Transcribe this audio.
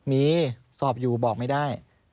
มีสอบอยู่บอกไม่ได้